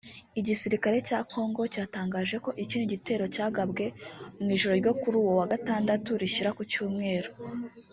Igisirikare cya Congo cyatangaje ko ikindi gitero cyagabwe mu ijoro ryo kuri uwo wa Gatandatu rishyira ku Cyumweru